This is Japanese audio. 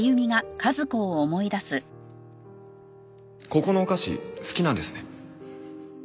ここのお菓子好きなんですね。